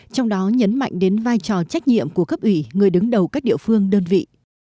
trong đó nhấn mạnh đến vai trò trách nhiệm của cấp ủy người đứng đầu các địa phương đơn vị